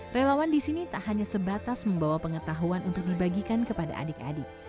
relawan di sini tak hanya sebatas membawa pengetahuan untuk dibagikan kepada adik adik